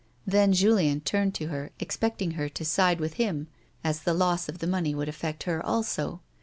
Then Julien turned to her, expecting her to side with him, as the loss of the money would affect her also.